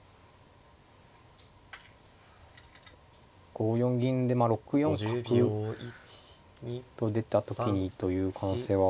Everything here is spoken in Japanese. ５四銀で６四角と出た時にという可能性は。